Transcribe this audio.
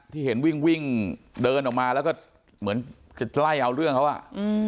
ที่เห็นวิ่งวิ่งเดินออกมาแล้วก็เหมือนจะไล่เอาเรื่องเขาอ่ะ